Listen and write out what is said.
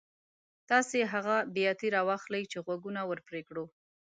تاسې هغه بیاتي را واخلئ چې غوږونه ور پرې کړو.